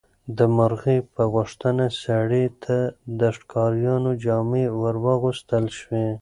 د مرغۍ په غوښتنه سړي ته د ښکاریانو جامې ورواغوستل شوې.